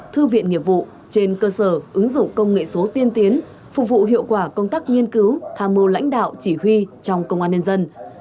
thư viện nghiệp vụ trên cơ sở ứng dụng công nghệ số tiên tiến phục vụ hiệu quả công tác nghiên cứu tham mưu lãnh đạo chỉ huy trong công an nhân dân